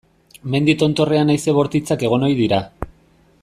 Mendi tontorrean haize bortitzak egon ohi dira.